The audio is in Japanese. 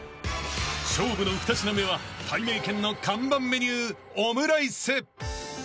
［勝負の２品目はたいめいけんの看板メニューオムライス］